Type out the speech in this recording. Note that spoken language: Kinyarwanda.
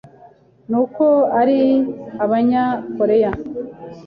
ni uko ari Abanya-Korea